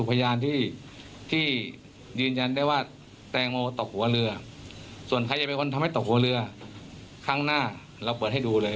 ผมถามว่าคุณอันนั้นเหมาะไม่ชัดเจน